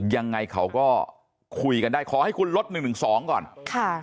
ยังไงเขาก็คุยกันได้ขอให้คุณลดหนึ่งหนึ่งสองก่อนค่ะ